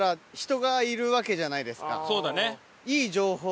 そうだね。